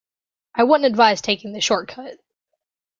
I wouldn't advise taking the shortcut